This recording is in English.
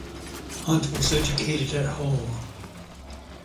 Hunt was educated at home.